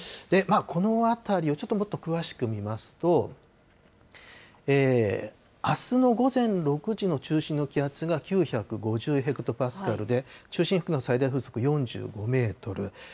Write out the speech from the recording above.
このあたり、もうちょっと詳しく見ますと、あすの午前６時の中心の気圧が９５０ヘクトパスカルで、中心付近の最大風速４５メートル。